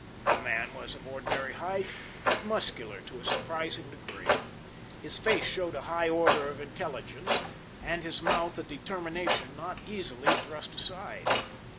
The man was of ordinary height, but muscular to a surprising degree. His face showed a high order of intelligence and his mouth a determination not easily thrust aside.